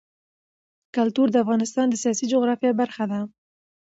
کلتور د افغانستان د سیاسي جغرافیه برخه ده.